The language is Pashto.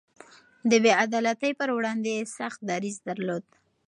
د بې عدالتۍ پر وړاندې يې سخت دريځ درلود.